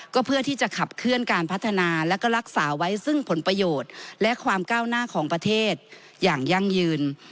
ก็เพื่อที่จะขับเคลื่อนการพัฒนาแล้วก็รักษาไว้ซึ่งผลประโยชน์และความก้าวหน้าของประเทศอย่างยั่งยืน